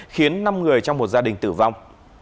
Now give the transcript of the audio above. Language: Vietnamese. khiến năm người trong một gia đình tử vong